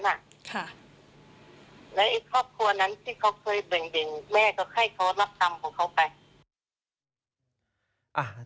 ในครอบครัวนั้นที่เค้าเคยบิ่งแม่ก็ให้เค้ารับตำของเค้าไป